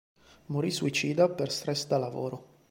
Morì suicida per stress da lavoro.